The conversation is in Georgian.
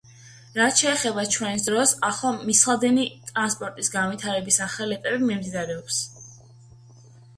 რაც შეეხება ჩვენს დროს, ახლა მილსადენი ტრანსპორტის განვითარების ახალი ეტაპი მიმდინარეობს.